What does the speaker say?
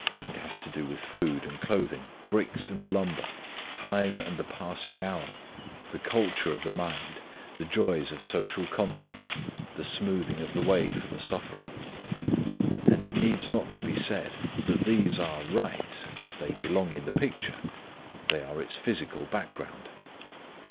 It has to do with food and clothing, bricks and lumber, time and the passing hour, the culture of the mind, the joys of social contact, the smoothing of the way for the suffering. And it needs not to be said, that these are right; they belong in the picture; they are its physical background.